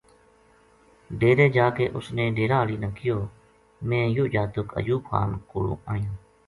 ڈیرے جا کے اس نے ڈیرا ہالی نا کہیو میں یوہ جاتک ایوب خان کولوں آنیو